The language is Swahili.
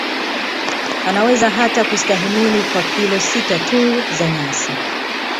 Anaweza hata kustahimili kwa kilo sita tu za nyasi